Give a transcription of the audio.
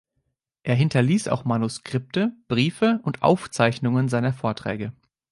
Er hinterließ auch Manuskripte, Briefe und Aufzeichnungen seiner Vorträge.